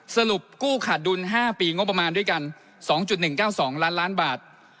สรุปกู้ขาดดุล๕ปีงบประมาณด้วยกัน๒๑๙๒ล้านล้านบาท